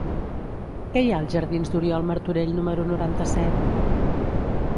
Què hi ha als jardins d'Oriol Martorell número noranta-set?